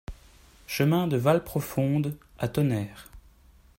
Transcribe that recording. Chemin de Valprofondes à Tonnerre